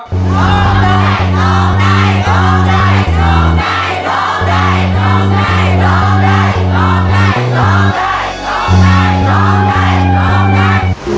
ร้องได้ร้องได้ร้องได้